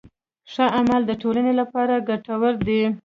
ښه عمل د ټولنې لپاره ګټور دی.